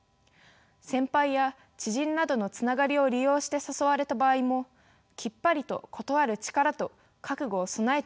先輩や知人などのつながりを利用して誘われた場合もきっぱりと断る力と覚悟を備えておく。